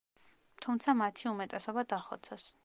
თუმცა მათი უმეტესობა დახოცეს.